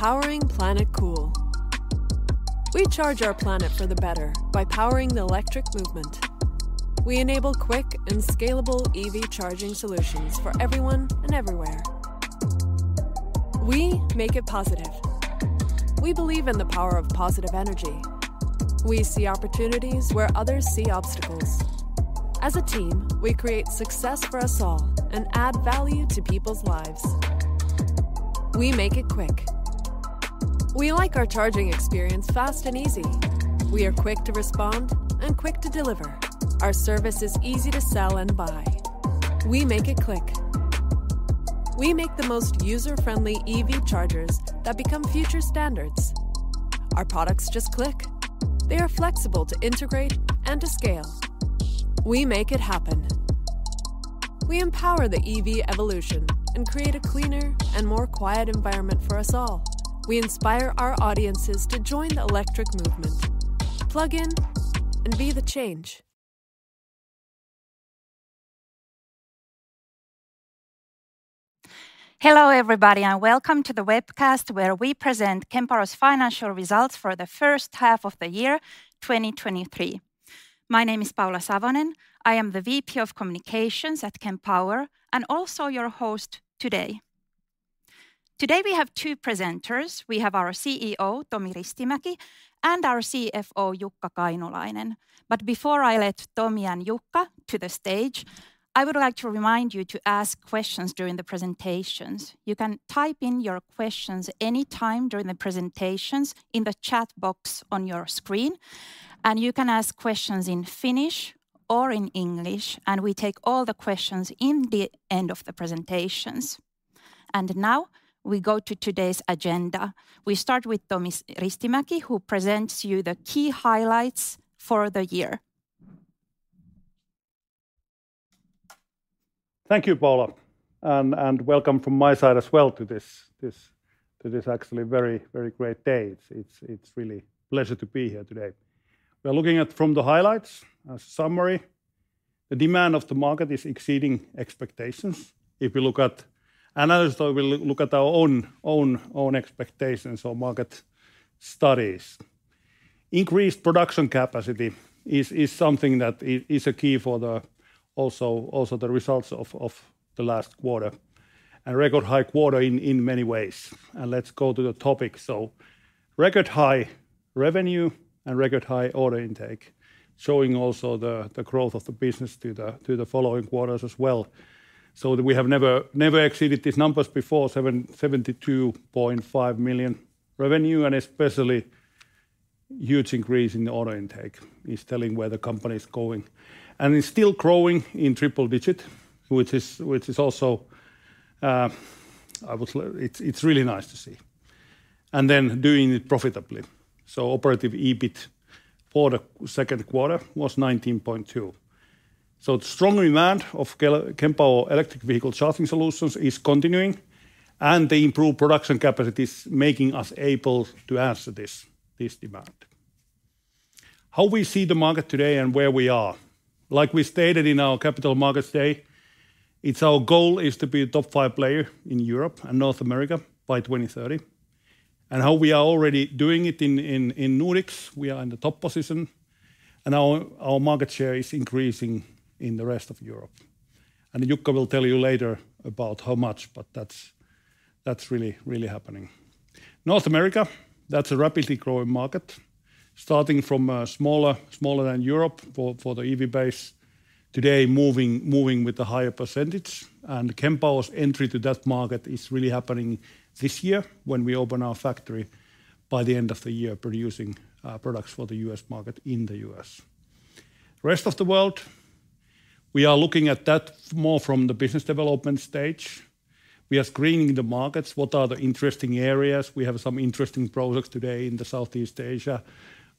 Powering Planet Cool. We charge our planet for the better by powering the electric movement. We enable quick and scalable EV charging solutions for everyone and everywhere. We make it positive. We believe in the power of positive energy. We see opportunities where others see obstacles. As a team, we create success for us all and add value to people's lives. We make it quick. We like our charging experience fast and easy. We are quick to respond and quick to deliver. Our service is easy to sell and buy. We make it click. We make the most user-friendly EV chargers that become future standards. Our products just click. They are flexible to integrate and to scale. We make it happen. We empower the EV evolution and create a cleaner and more quiet environment for us all. We inspire our audiences to join the electric movement, plug in, and be the change. Hello, everybody, and welcome to the webcast where we present Kempower's Financial Results for the First Half of 2023. My name is Paula Savonen. I am the VP of Communications at Kempower, and also your host today. Today, we have two presenters. We have our CEO, Tomi Ristimäki, and our CFO, Jukka Kainulainen. Before I let Tomi and Jukka to the stage, I would like to remind you to ask questions during the presentations. You can type in your questions any time during the presentations in the chat box on your screen, and you can ask questions in Finnish or in English, and we take all the questions in the end of the presentations. Now, we go to today's agenda. We start with Tomi Ristimäki, who presents you the key highlights for the year. Thank you, Paula, and welcome from my side as well to this actually very great day. It's really pleasure to be here today. We are looking at from the highlights, a summary. The demand of the market is exceeding expectations. If we look at analysis, or we look at our own expectations or market studies. Increased production capacity is something that is a key for the also the results of the last quarter, record high quarter in many ways. Let's go to the topic. Record high revenue and record high order intake, showing also the growth of the business to the following quarters as well. We have never exceeded these numbers before, 72.5 million revenue, and especially huge increase in the order intake is telling where the company is going. It's still growing in triple-digit, which is also, I would say. It's really nice to see. Doing it profitably. Operative EBIT for the second quarter was 19.2. The strong demand of Kempower electric vehicle charging solutions is continuing, and the improved production capacity is making us able to answer this demand. How we see the market today and where we are? Like we stated in our Capital Markets Day, it's our goal is to be a top-five player in Europe and North America by 2030. How we are already doing it in Nordic, we are in the top position, and our market share is increasing in the rest of Europe. Jukka will tell you later about how much, but that's really happening. North America, that's a rapidly growing market, starting from smaller than Europe for the EV base. Today, moving with a higher percentage, Kempower's entry to that market is really happening this year when we open our factory by the end of the year, producing products for the U.S. market in the U.S. Rest of the world, we are looking at that more from the business development stage. We are screening the markets. What are the interesting areas? We have some interesting projects today in the Southeast Asia.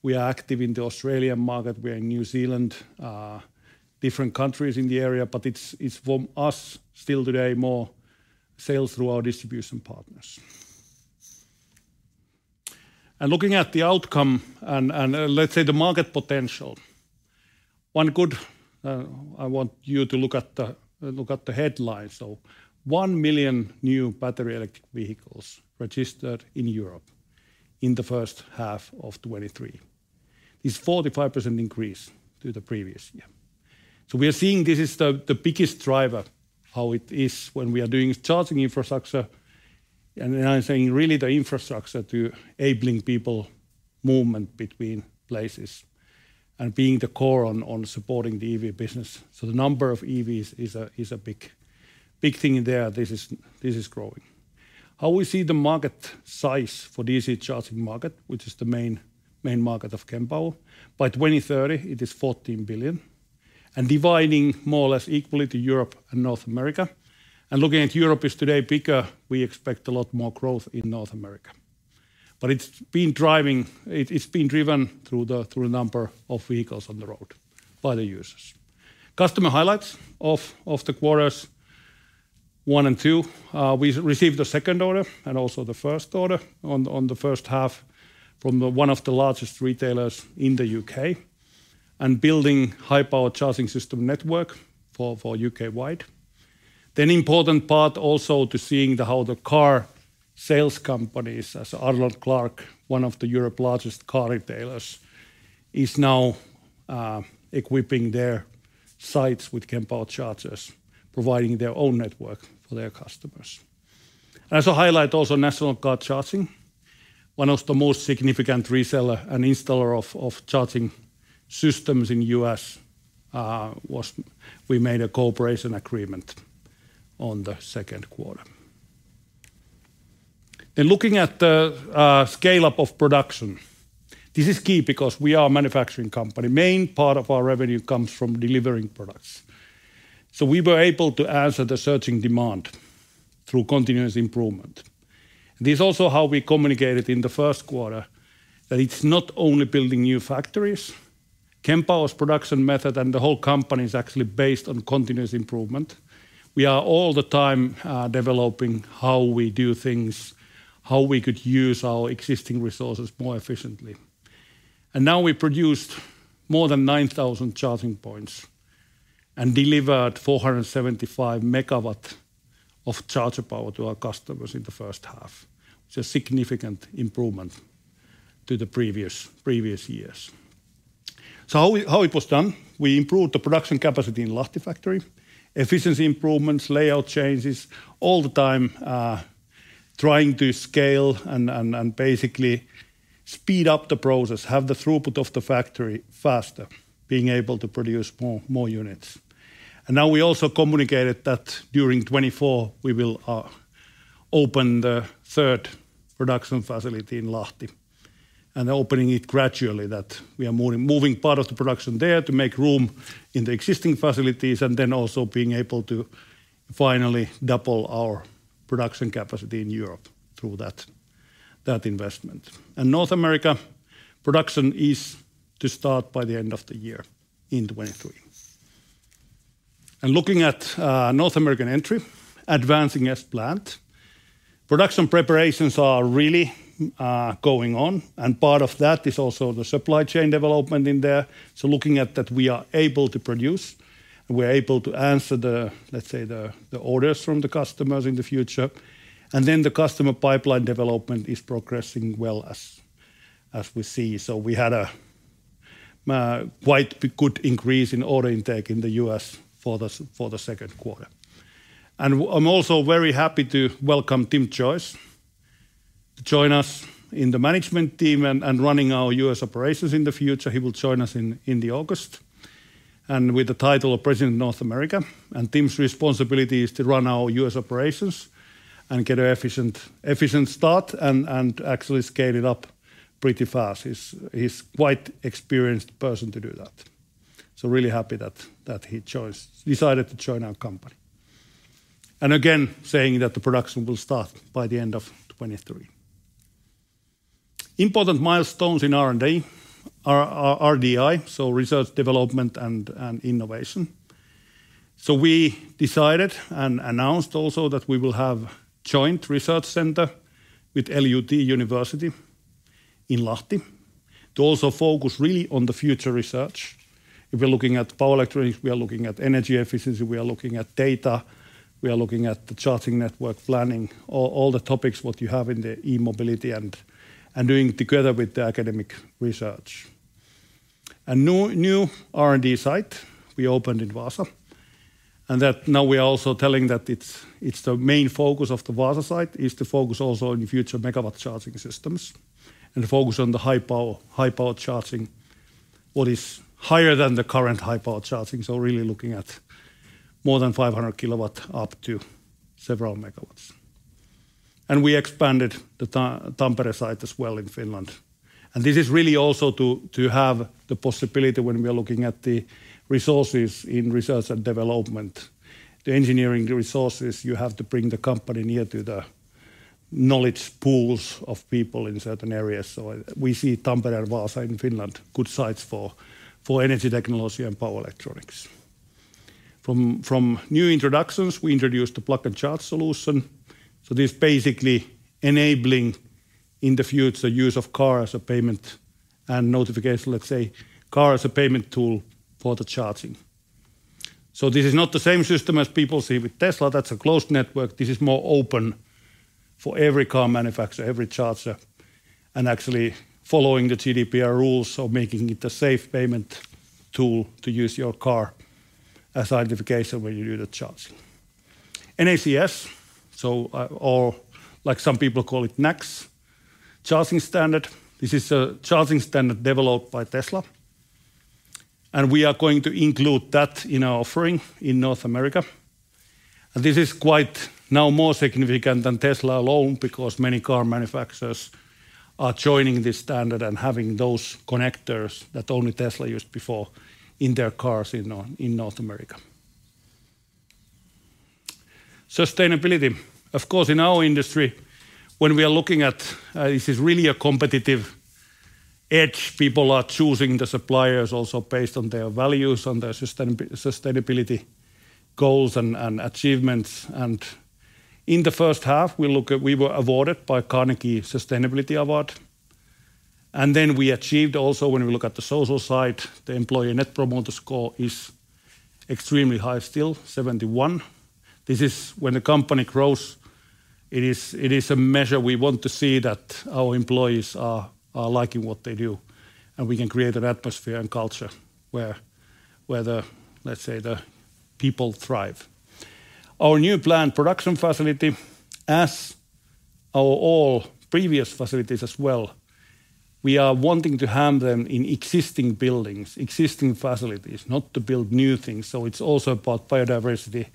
We are active in the Australian market. We are in New Zealand, different countries in the area, but it's from us still today, more sales through our distribution partners. Looking at the outcome and, let's say, the market potential, one good. I want you to look at the headlines. 1 million new battery electric vehicles registered in Europe in the first half of 2023. It's 45% increase to the previous year. We are seeing this is the biggest driver, how it is when we are doing charging infrastructure, and I'm saying really the infrastructure to enabling people movement between places and being the core on supporting the EV business. The number of EVs is a big thing there. This is growing. How we see the market size for DC charging market, which is the main market of Kempower. By 2030, it is 14 billion, dividing more or less equally to Europe and North America. Looking at Europe is today bigger, we expect a lot more growth in North America. It's been driven through the number of vehicles on the road by the users. Customer highlights of the Q1 and Q2. We received the second order and also the first order on the first half from the one of the largest retailers in the UK. building high power charging system network for UK-wide. Important part also to seeing the how the car sales companies, as Arnold Clark, one of Europe's largest car retailers, is now equipping their sites with Kempower chargers, providing their own network for their customers. As a highlight also, National Car Charging, one of the most significant reseller and installer of charging systems in U.S., was we made a cooperation agreement on the second quarter. Looking at the scale-up of production. This is key because we are a manufacturing company. Main part of our revenue comes from delivering products. We were able to answer the searching demand through continuous improvement. This is also how we communicated in the first quarter, that it's not only building new factories. Kempower's production method and the whole company is actually based on continuous improvement. We are all the time, developing how we do things, how we could use our existing resources more efficiently. Now we produced more than 9,000 charging points and delivered 475 MW of charger power to our customers in the first half. It's a significant improvement to the previous years. How it was done, we improved the production capacity in Lahti factory. Efficiency improvements, layout changes, all the time, trying to scale and basically speed up the process, have the throughput of the factory faster, being able to produce more units. Now we also communicated that during 2024 we will open the third production facility in Lahti, and opening it gradually, that we are moving part of the production there to make room in the existing facilities, and then also being able to finally double our production capacity in Europe through that investment. North America production is to start by the end of the year in 2023. Looking at North American entry, advancing as planned. Production preparations are really going on, and part of that is also the supply chain development in there. Looking at that, we are able to produce, we're able to answer the, let's say, the orders from the customers in the future. The customer pipeline development is progressing well as we see. We had a quite good increase in order intake in the US for the second quarter. I'm also very happy to welcome Tim Joyce to join us in the management team and running our US operations in the future. He will join us in August, and with the title of President of North America. Tim's responsibility is to run our US operations and get an efficient start and actually scale it up pretty fast. He's quite experienced person to do that. Really happy that he decided to join our company. Again, saying that the production will start by the end of 2023. Important milestones in R&D are RDI, so research, development, and innovation. We decided and announced also that we will have joint research center with LUT University in Lahti, to also focus really on the future research. If we're looking at power electronics, we are looking at energy efficiency, we are looking at data, we are looking at the charging network planning, all the topics what you have in the e-mobility and doing together with the academic research. A new R&D site we opened in Vaasa, and that now we are also telling that it's the main focus of the Vaasa site, is to focus also on future Megawatt Charging Systems and focus on the high power charging, what is higher than the current high power charging. Really looking at more than 500 kilowatt, up to several megawatts. We expanded the Tampere site as well in Finland. This is really also to have the possibility when we are looking at the resources in research and development, the engineering resources, you have to bring the company near to the knowledge pools of people in certain areas. We see Tampere and Vaasa in Finland, good sites for energy technology and power electronics. From new introductions, we introduced the Plug and Charge solution. This basically enabling in the future use of car as a payment and notification, let's say, car as a payment tool for the charging. This is not the same system as people see with Tesla. That's a closed network. This is more open for every car manufacturer, every charger, and actually following the GDPR rules, so making it a safe payment tool to use your car as identification when you do the charging. NACS, or like some people call it "NACS" charging standard, this is a charging standard developed by Tesla, we are going to include that in our offering in North America. This is quite now more significant than Tesla alone, because many car manufacturers are joining this standard and having those connectors that only Tesla used before in their cars in North America. Sustainability. Of course, in our industry, when we are looking at, this is really a competitive edge, people are choosing the suppliers also based on their values, on their sustainability goals and achievements. In the first half, we were awarded by Carnegie Sustainability Award. We achieved also, when we look at the social side, the employee net promoter score is extremely high, still 71. This is when the company grows, it is a measure we want to see that our employees are liking what they do, and we can create an atmosphere and culture where the, let's say, the people thrive. Our new planned production facility, as our all previous facilities as well, we are wanting to have them in existing buildings, existing facilities, not to build new things. It's also about biodiversity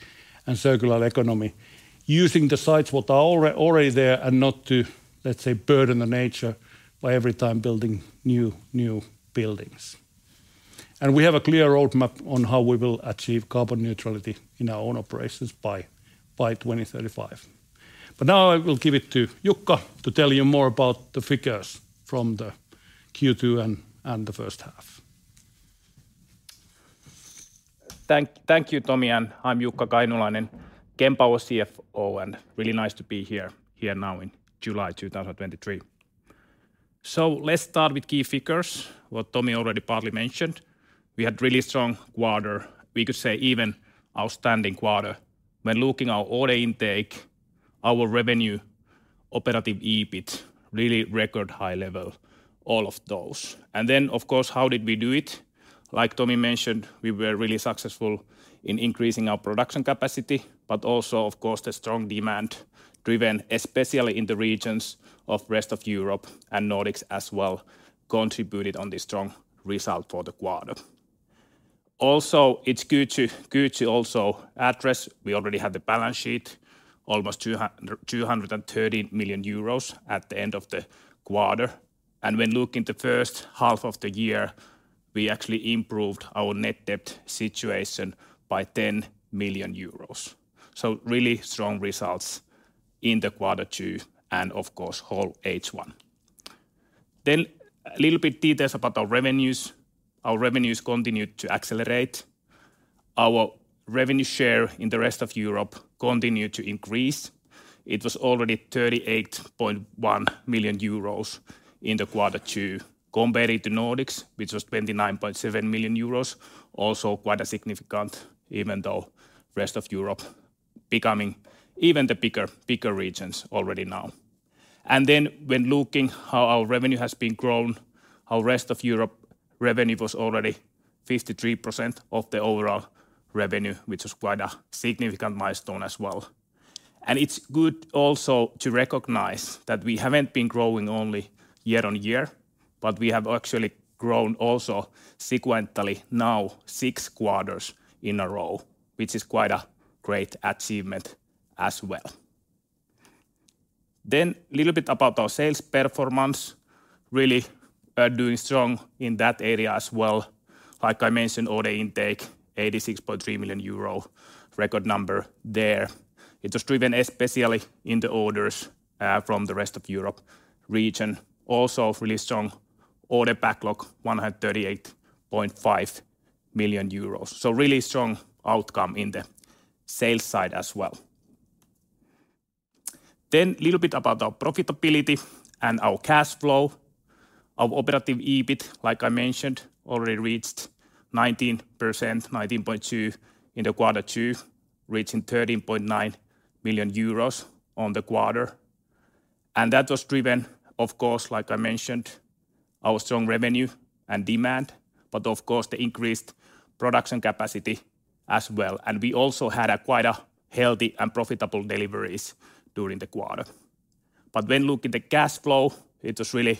and circular economy, using the sites what are already there and not to, let's say, burden the nature by every time building new buildings. We have a clear roadmap on how we will achieve carbon neutrality in our own operations by 2035. Now I will give it to Jukka to tell you more about the figures from the Q2 and the first half. Thank you, Tomi. I'm Jukka Kainulainen, Kempower CFO, really nice to be here now in July 2023. Let's start with key figures, what Tomi already partly mentioned. We had really strong quarter. We could say even outstanding quarter. When looking our order intake, our revenue, operative EBIT, really record high level, all of those. Of course, how did we do it? Like Tomi mentioned, we were really successful in increasing our production capacity, but also, of course, the strong demand, driven especially in the regions of rest of Europe and Nordics as well, contributed on the strong result for the quarter. Also, it's good to also address, we already have the balance sheet, almost 230 million euros at the end of the quarter. When looking the first half of the year, we actually improved our net debt situation by 10 million euros. Really strong results in the quarter two, and of course, whole H1. A little bit details about our revenues. Our revenues continued to accelerate. Our revenue share in the rest of Europe continued to increase. It was already 38.1 million euros in the quarter two, compared to Nordics, which was 29.7 million euros. Also quite significant, even though rest of Europe becoming even the bigger regions already now. When looking how our revenue has been grown, how rest of Europe revenue was already 53% of the overall revenue, which was quite a significant milestone as well. It's good also to recognize that we haven't been growing only year-on-year, but we have actually grown also sequentially now 6 quarters in a row, which is quite a great achievement as well. Little bit about our sales performance. Really doing strong in that area as well. Like I mentioned, order intake, 86.3 million euro, record number there. It was driven especially in the orders from the rest of Europe region. Really strong order backlog, 138.5 million euros. Really strong outcome in the sales side as well. Little bit about our profitability and our cash flow. Our operative EBIT, like I mentioned, already reached 19%, 19.2%, in the Q2, reaching 13.9 million euros on the quarter. That was driven, of course, like I mentioned, our strong revenue and demand, but of course, the increased production capacity as well. We also had a quite a healthy and profitable deliveries during the quarter. When looking the cash flow, it was really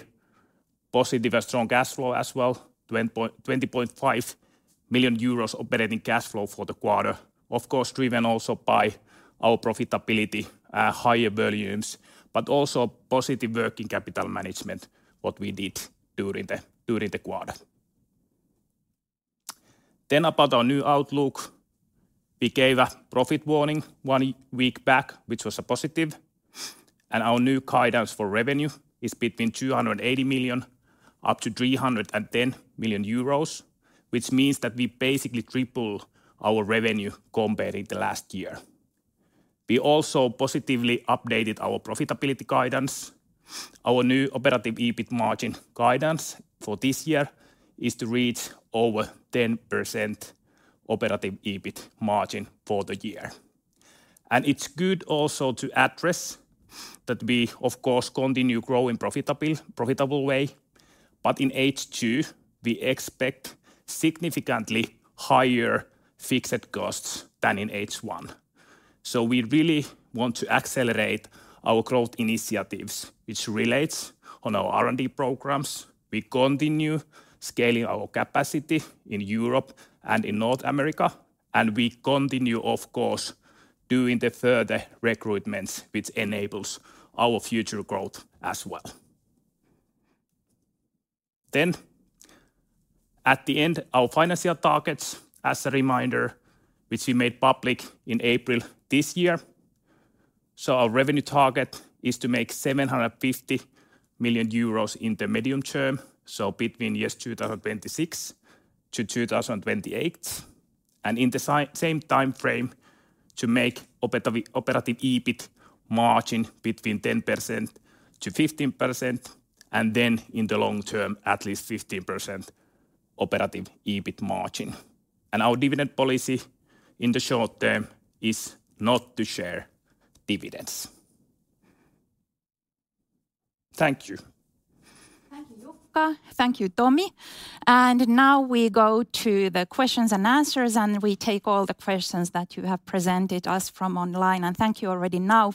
positive and strong cash flow as well, 20.5 million euros operating cash flow for the quarter. Of course, driven also by our profitability at higher volumes, but also positive working capital management, what we did during the quarter. About our new outlook. We gave a profit warning one week back, which was a positive, and our new guidance for revenue is between 280 million up to 310 million euros, which means that we basically triple our revenue compared to last year. We also positively updated our profitability guidance. Our new operative EBIT margin guidance for this year is to reach over 10% operative EBIT margin for the year. It's good also to address that we, of course, continue growing profitable way, but in H2, we expect significantly higher fixed costs than in H1. We really want to accelerate our growth initiatives, which relates on our R&D programs. We continue scaling our capacity in Europe and in North America, and we continue, of course, doing the further recruitments, which enables our future growth as well. At the end, our financial targets, as a reminder, which we made public in April this year. Our revenue target is to make 750 million euros in the medium term, so between years 2026-2028. In the same timeframe, to make operative EBIT margin between 10% to 15%, then in the long term, at least 15% operative EBIT margin. Our dividend policy in the short term is not to share dividends. Thank you. Thank you, Jukka. Thank you, Tomi. Now we go to the questions and answers, and we take all the questions that you have presented us from online. Thank you already now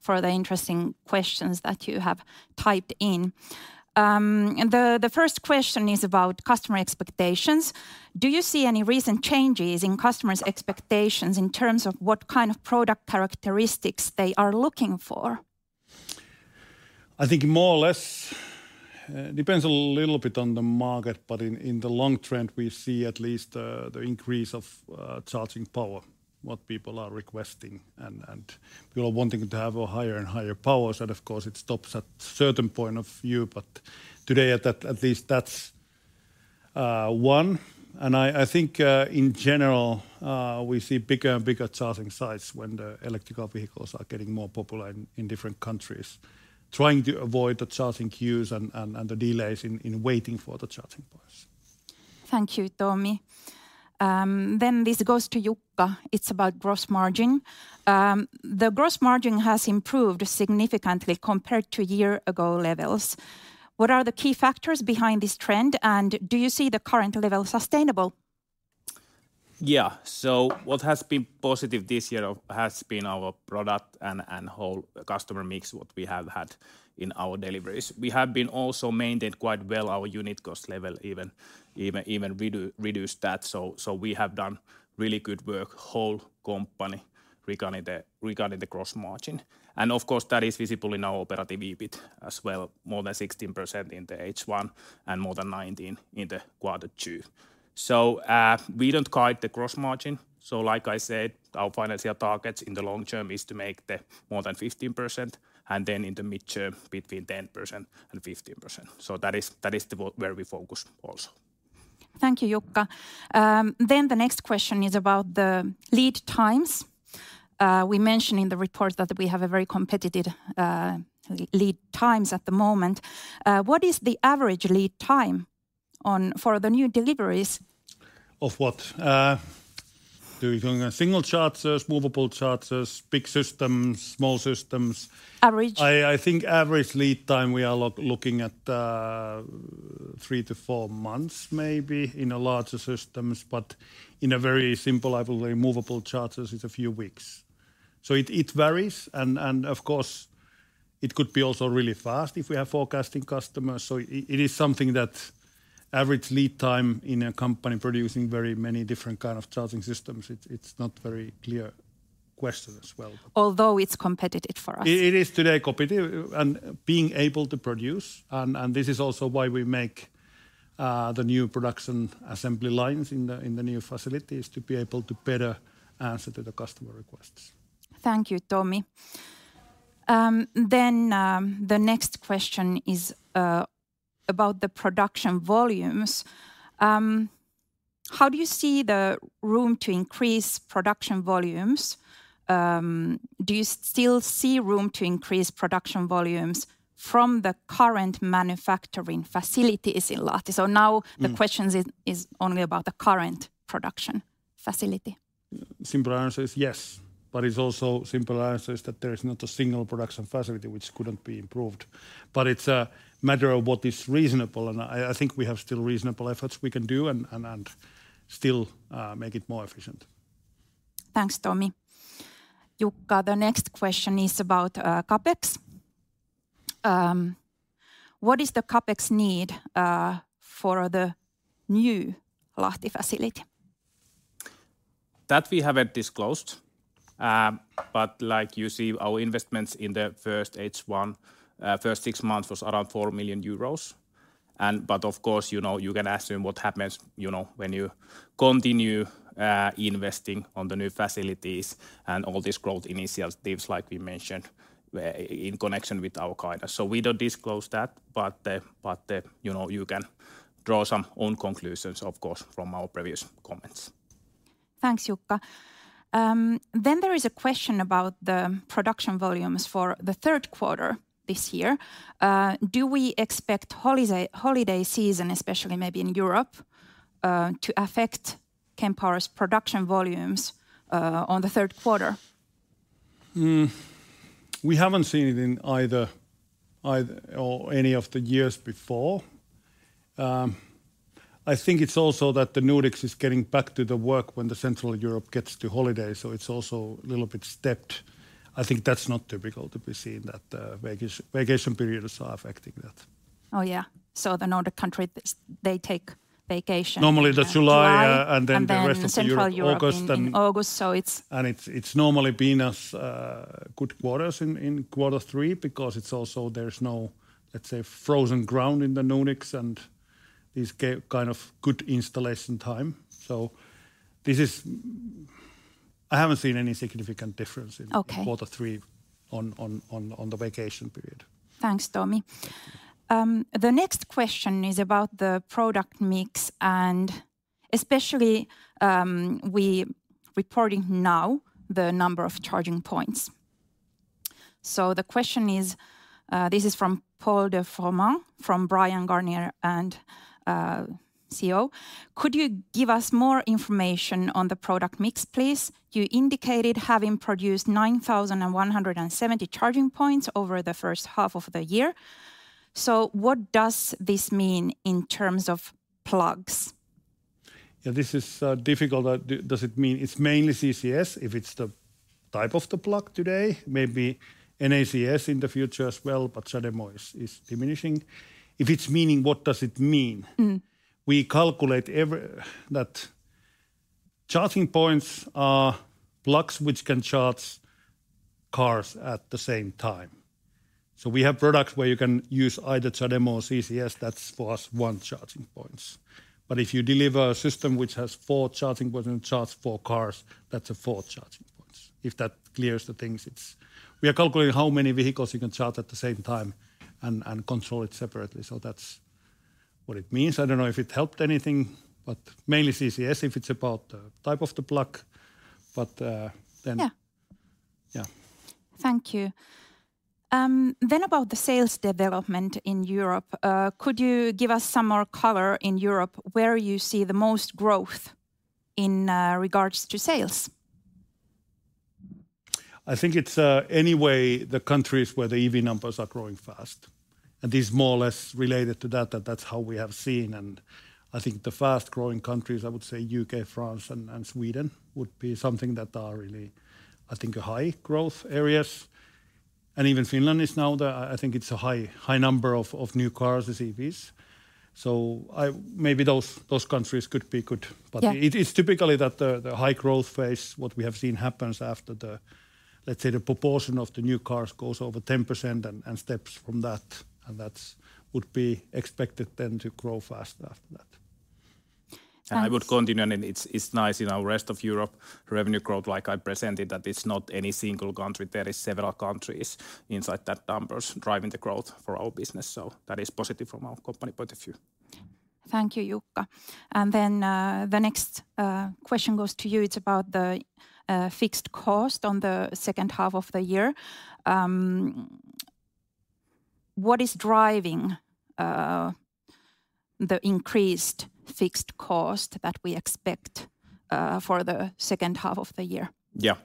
for the interesting questions that you have typed in. The first question is about customer expectations. Do you see any recent changes in customers' expectations in terms of what kind of product characteristics they are looking for? I think more or less, depends a little bit on the market, but in the long trend, we see at least, the increase of charging power, what people are requesting. People are wanting to have a higher and higher powers, and of course, it stops at certain point of view, but today, at least that's one. I think, in general, we see bigger and bigger charging sites when the electric vehicles are getting more popular in different countries, trying to avoid the charging queues and the delays in waiting for the charging points. Thank you, Tomi. This goes to Jukka. It's about gross margin. The gross margin has improved significantly compared to year-ago levels. What are the key factors behind this trend, and do you see the current level sustainable? What has been positive this year has been our product and whole customer mix, what we have had in our deliveries. We have been also maintained quite well our unit cost level, even reduced that. We have done really good work, whole company, regarding the gross margin. Of course, that is visible in our operative EBIT as well, more than 16% in the H1 and more than 19% in the quarter two. We don't guide the gross margin. Like I said, our financial targets in the long term is to make the more than 15%, and then in the mid-term, between 10% and 15%. That is the where we focus also. Thank you, Jukka. The next question is about the lead times. We mentioned in the report that we have a very competitive lead times at the moment. What is the average lead time for the new deliveries? Of what? Do we going single chargers, movable chargers, big systems, small systems? Average. I think average lead time, we are looking at three to four months, maybe, in a larger systems, but in a very simple level, a movable chargers, it's a few weeks. It varies, and of course, it could be also really fast if we are forecasting customers. It is something that average lead time in a company producing very many different kind of charging systems, it's not very clear question as well. Although it's competitive for us. It is today competitive, and being able to produce, and this is also why we make the new production assembly lines in the new facilities, to be able to better answer to the customer requests. Thank you, Tomi. The next question is about the production volumes. How do you see the room to increase production volumes? Do you still see room to increase production volumes from the current manufacturing facilities in Lahti? Mm The question is only about the current production facility. Simple answer is yes, but it's also simple answer is that there is not a single production facility which couldn't be improved. It's a matter of what is reasonable, and I think we have still reasonable efforts we can do and still make it more efficient. Thanks, Tomi. Jukka, the next question is about CapEx. What is the CapEx need for the new Lahti facility? That we haven't disclosed. Like you see, our investments in the first H1, first six months was around 4 million euros. Of course, you know, you can assume what happens, you know, when you continue investing on the new facilities and all these growth initiatives like we mentioned in connection with our guidance. We don't disclose that, but, you know, you can draw some own conclusions, of course, from our previous comments. Thanks, Jukka. There is a question about the production volumes for the third quarter this year. Do we expect holiday season, especially maybe in Europe, to affect Kempower's production volumes on the third quarter? We haven't seen it in either or any of the years before. I think it's also that the Nordics is getting back to the work when the Central Europe gets to holiday. It's also a little bit stepped. I think that's not typical to be seen, that vacation periods are affecting that. Oh, yeah. The Nordic country, they take vacation-. Normally the.... July the rest of Europe Central Europe. August. In August. It's normally been as good quarters in quarter three, because it's also there's no, let's say, frozen ground in the Nordics, and this kind of good installation time. This is I haven't seen any significant difference. Okay Quarter three on the vacation period. Thanks, Tomi. The next question is about the product mix, especially, we reporting now the number of charging points. The question is, this is from Paul de Froment from Bryan, Garnier & Co, and CEO: "Could you give us more information on the product mix, please? You indicated having produced 9,170 charging points over the first half of the year. What does this mean in terms of plugs? Yeah, this is difficult. does it mean it's mainly CCS, if it's the type of the plug today, maybe NACS in the future as well, but CHAdeMO is diminishing. If it's meaning, what does it mean? Mm. We calculate that charging points are plugs which can charge cars at the same time. We have products where you can use either CHAdeMO or CCS, that's for us one charging points. If you deliver a system which has four charging points and charge four cars, that's a four charging points. If that clears the things, it's. We are calculating how many vehicles you can charge at the same time and control it separately. That's what it means. I don't know if it helped anything, but mainly CCS, if it's about the type of the plug. Then. Yeah. Yeah. Thank you. About the sales development in Europe, could you give us some more color in Europe, where you see the most growth in regards to sales? I think it's, anyway, the countries where the EV numbers are growing fast, and is more or less related to that's how we have seen. I think the fast-growing countries, I would say UK, France, and Sweden, would be something that are really, I think, a high growth areas. Even Finland is now the high number of new cars as EVs. I Maybe those countries could be good. Yeah. It is typically that the high growth phase, what we have seen happens after the, let's say, the proportion of the new cars goes over 10% and steps from that, and that's would be expected then to grow faster after that. Thanks. I would continue, and it's nice in our rest of Europe, revenue growth, like I presented, that it's not any single country. There is several countries inside that numbers driving the growth for our business. That is positive from our company point of view. Thank you, Jukka. The next question goes to you. It's about the fixed cost on the second half of the year. What is driving the increased fixed cost that we expect for the second half of the year?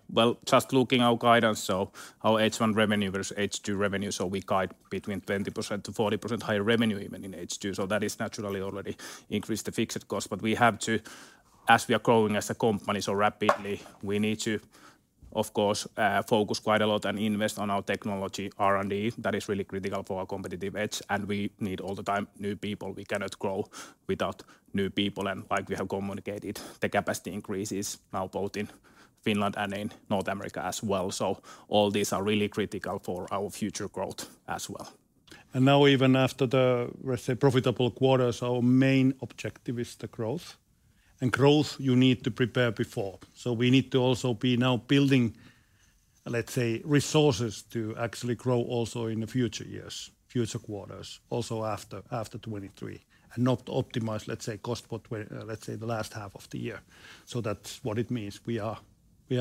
Well, just looking our guidance, so our H1 revenue versus H2 revenue, so we guide between 20% to 40% higher revenue even in H2. That is naturally already increase the fixed cost. We have to, as we are growing as a company so rapidly, we need to, of course, focus quite a lot and invest on our technology R&D. That is really critical for our competitive edge, and we need all the time new people. We cannot grow without new people, and like we have communicated, the capacity increases now both in Finland and in North America as well. All these are really critical for our future growth as well. Now, even after the, let's say, profitable quarter, our main objective is the growth. Growth, you need to prepare before. We need to also be now building, let's say, resources to actually grow also in the future years, future quarters, also after 2023, and not optimize, let's say, cost what, let's say, the last half of the year. That's what it means. We are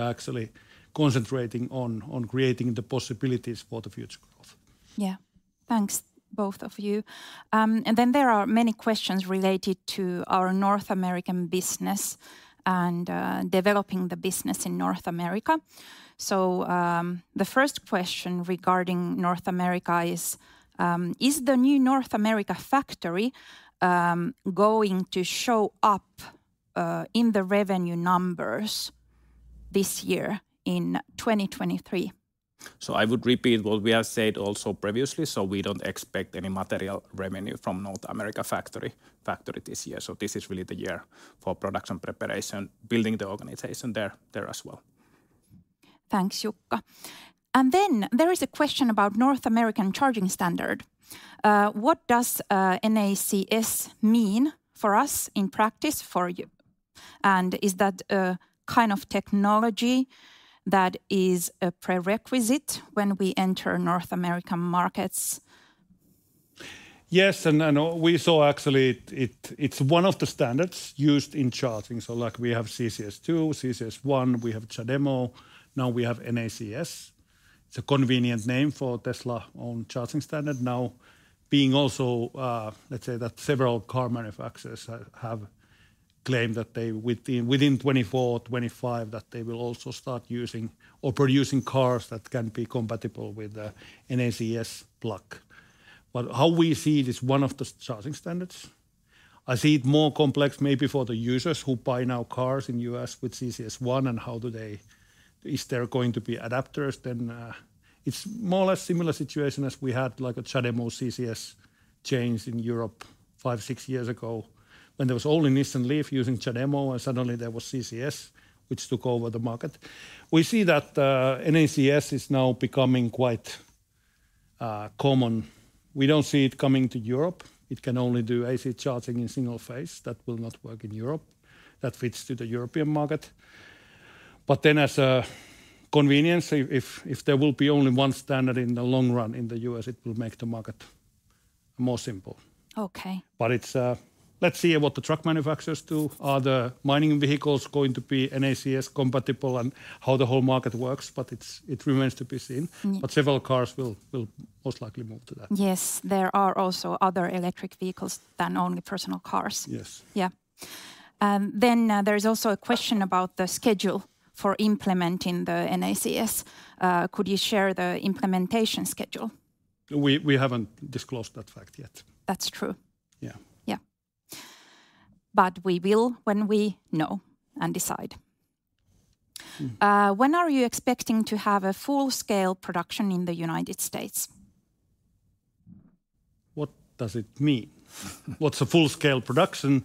actually concentrating on creating the possibilities for the future growth. Yeah. Thanks, both of you. There are many questions related to our North American business and developing the business in North America. The first question regarding North America is the new North America factory going to show up in the revenue numbers this year in 2023? I would repeat what we have said also previously. We don't expect any material revenue from North America factory this year. This is really the year for production preparation, building the organization there as well. Thanks, Jukka. Then there is a question about North American charging standard. What does NACS mean for us in practice for you? Is that a kind of technology that is a prerequisite when we enter North American markets? We saw actually it's one of the standards used in charging. Like we have CCS2, CCS1, we have CHAdeMO, now we have NACS. It's a convenient name for Tesla on charging standard. Being also, let's say that several car manufacturers have claimed that they within 2024, 2025, that they will also start using or producing cars that can be compatible with the NACS plug. How we see it is one of the charging standards. I see it more complex maybe for the users who buy now cars in US with CCS1 and is there going to be adapters then? It's more or less similar situation as we had, like a CHAdeMO, CCS change in Europe five, six years ago, when there was only Nissan LEAF using CHAdeMO. Suddenly there was CCS, which took over the market. We see that NACS is now becoming common. We don't see it coming to Europe. It can only do AC charging in single phase. That will not work in Europe. That fits to the European market. As a convenience, if there will be only one standard in the long run in the U.S., it will make the market more simple. Okay. Let's see what the truck manufacturers do. Are the mining vehicles going to be NACS-compatible, and how the whole market works, it remains to be seen. Mm. Several cars will most likely move to that. Yes, there are also other electric vehicles than only personal cars. Yes. Yeah. There is also a question about the schedule for implementing the NACS. Could you share the implementation schedule? We haven't disclosed that fact yet. That's true. Yeah. Yeah. We will when we know and decide. Mm. When are you expecting to have a full-scale production in the United States? What does it mean? What's a full-scale production?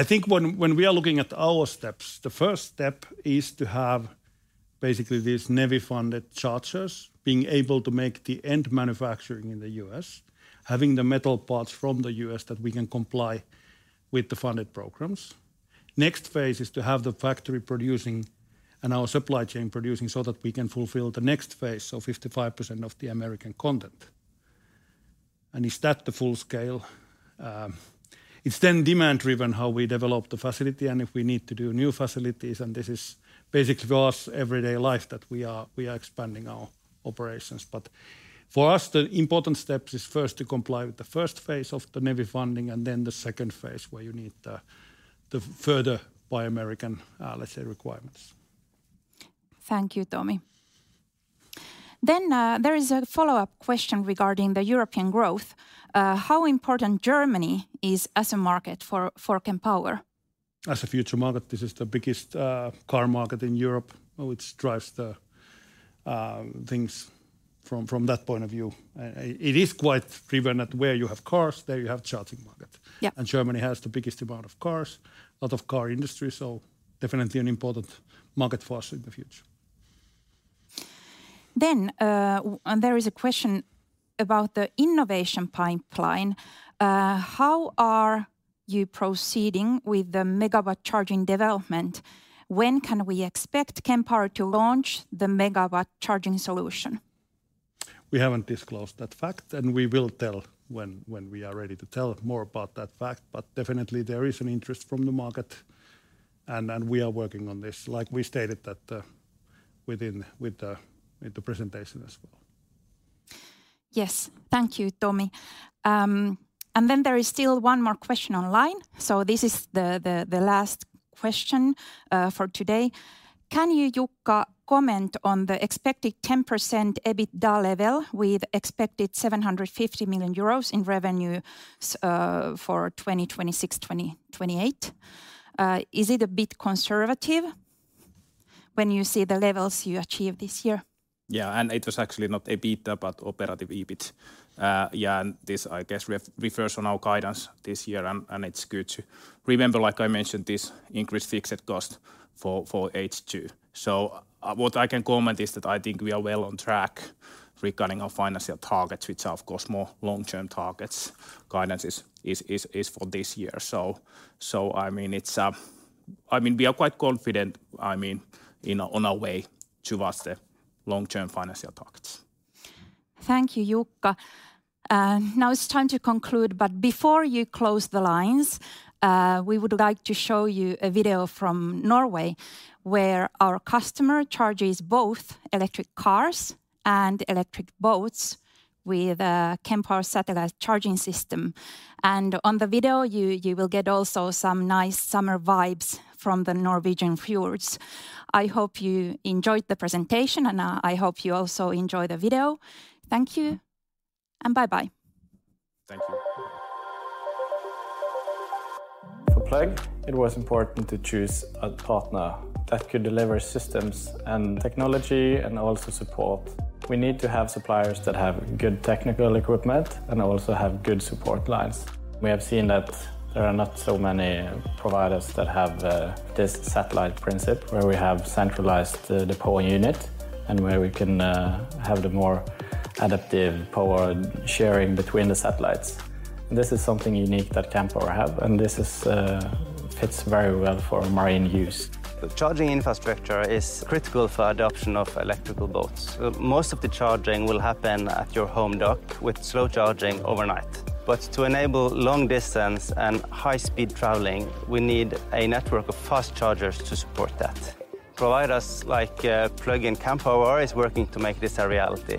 I think when we are looking at our steps, the first step is to have basically these NEVI-funded chargers being able to make the end manufacturing in the U.S., having the metal parts from the U.S. that we can comply with the funded programs. Next phase is to have the factory producing, and our supply chain producing, so that we can fulfill the next phase of 55% of the American content. Is that the full scale? It's then demand-driven, how we develop the facility, and if we need to do new facilities, this is basically our everyday life, that we are expanding our operations. For us, the important steps is first to comply with the phase I of the NEVI funding, and then the phase II, where you need the further Buy America, let's say, requirements. Thank you, Tomi. There is a follow-up question regarding the European growth. How important Germany is as a market for Kempower? As a future market, this is the biggest, car market in Europe, which drives the, things from that point of view. It is quite driven that where you have cars, there you have charging market. Yeah. Germany has the biggest amount of cars, a lot of car industry, so definitely an important market for us in the future. There is a question about the innovation pipeline. How are you proceeding with the Megawatt Charging development? When can we expect Kempower to launch the Megawatt Charging solution? We haven't disclosed that fact, and we will tell when we are ready to tell more about that fact. Definitely, there is an interest from the market, and we are working on this, like we stated that, with the presentation as well. Yes. Thank you, Tomi. There is still one more question online. This is the last question for today. Can you, Jukka, comment on the expected 10% EBITDA level with expected 750 million euros in revenue for 2026, 2028? Is it a bit conservative when you see the levels you achieved this year? Yeah, it was actually not EBITDA, but operative EBIT. Yeah, this, I guess, refers on our guidance this year, and it's good to remember, like I mentioned, this increased fixed cost for H2. What I can comment is that I think we are well on track regarding our financial targets, which are, of course, more long-term targets. Guidance is for this year. I mean, it's... I mean, we are quite confident, I mean, in our, on our way towards the long-term financial targets. Thank you, Jukka. Now it's time to conclude. Before you close the lines, we would like to show you a video from Norway, where our customer charges both electric cars and electric boats with a Kempower Satellite Charging System. On the video, you will get also some nice summer vibes from the Norwegian fjords. I hope you enjoyed the presentation, and I hope you also enjoy the video. Thank you, and bye-bye. Thank you. For Plug, it was important to choose a partner that could deliver systems and technology, and also support. We need to have suppliers that have good technical equipment, and also have good support lines. We have seen that there are not so many providers that have this satellite principle, where we have centralized the Power Unit, and where we can have the more adaptive power sharing between the Satellites. This is something unique that Kempower have, and this fits very well for marine use. Charging infrastructure is critical for adoption of electrical boats. Most of the charging will happen at your home dock, with slow charging overnight. To enable long-distance and high-speed traveling, we need a network of fast chargers to support that. Providers like, Plug and Kempower is working to make this a reality.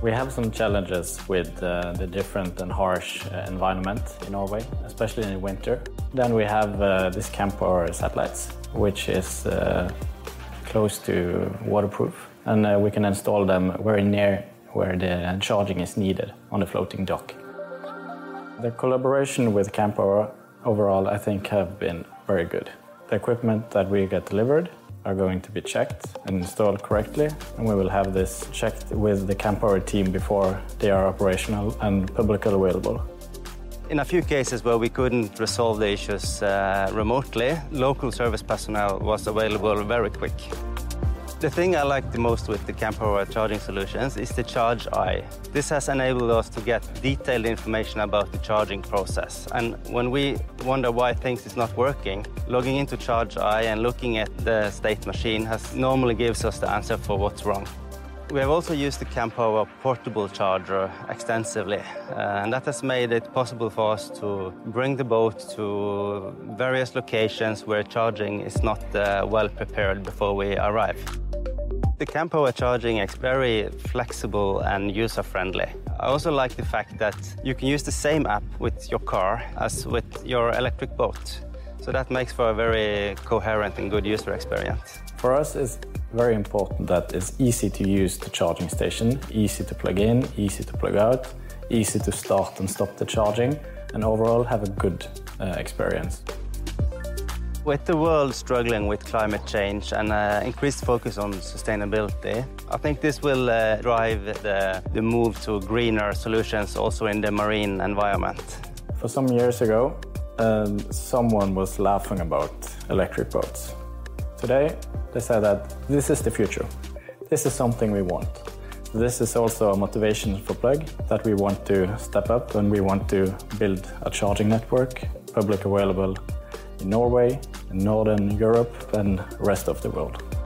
We have some challenges with the different and harsh environment in Norway, especially in winter. We have this Kempower Satellites, which is close to waterproof, and we can install them very near where the charging is needed on a floating dock. The collaboration with Kempower overall, I think, have been very good. The equipment that we get delivered are going to be checked and installed correctly, and we will have this checked with the Kempower team before they are operational and publicly available. In a few cases where we couldn't resolve the issues, remotely, local service personnel was available very quick. The thing I like the most with the Kempower charging solutions is the ChargEye. This has enabled us to get detailed information about the charging process, when we wonder why things is not working, logging into ChargEye and looking at the state machine normally gives us the answer for what's wrong. We have also used the Kempower Movable Charger extensively, that has made it possible for us to bring the boat to various locations where charging is not well-prepared before we arrive. The Kempower charging is very flexible and user-friendly. I also like the fact that you can use the same app with your car as with your electric boat, that makes for a very coherent and good user experience. For us, it's very important that it's easy to use the charging station, easy to plug in, easy to plug out, easy to start and stop the charging, and overall, have a good experience. With the world struggling with climate change and increased focus on sustainability, I think this will drive the move to greener solutions also in the marine environment. For some years ago, someone was laughing about electric boats. Today, they say that this is the future. This is something we want. This is also a motivation for Plug, that we want to step up, and we want to build a charging network, public available in Norway, in Northern Europe, rest of the world.